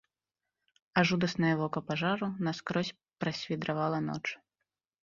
А жудаснае вока пажару наскрозь прасвідравала ноч.